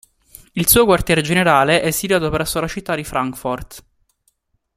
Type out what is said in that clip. Il suo quartier generale è situato presso la citta di Frankfort.